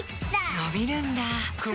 のびるんだ